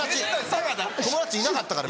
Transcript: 友達いなかったから。